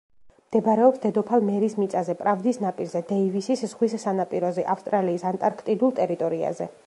მდებარეობს დედოფალ მერის მიწაზე, პრავდის ნაპირზე, დეივისის ზღვის სანაპიროზე, ავსტრალიის ანტარქტიდულ ტერიტორიაზე.